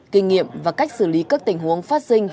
kinh nghiệm và cách xử lý các tình huống phát sinh